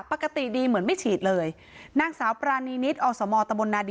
ปกติดีเหมือนไม่ฉีดเลยนางสาวปรานีนิดอสมตะบนนาดี